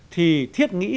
thì thiết nghĩ